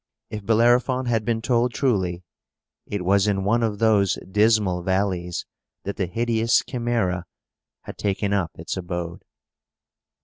If Bellerophon had been told truly, it was in one of those dismal valleys that the hideous Chimæra had taken up its abode.